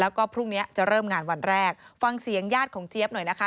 แล้วก็พรุ่งนี้จะเริ่มงานวันแรกฟังเสียงญาติของเจี๊ยบหน่อยนะคะ